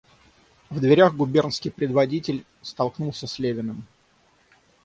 В дверях губернский предводитель столкнулся с Левиным.